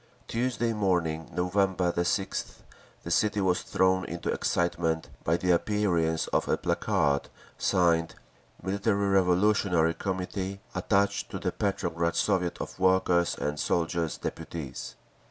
Tuesday morning, November 6th, the city was thrown into excitement by the appearance of a placard signed, "Military Revolutionary Committee attached to the Petrograd Soviet of Workers' and Soldiers' Deputies."